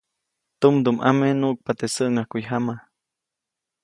Tumdumʼame nuʼkpa teʼ säŋʼajkujyama.